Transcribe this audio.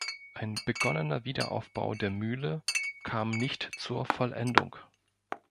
Ein begonnener Wiederaufbau der Mühle kam nicht zur Vollendung.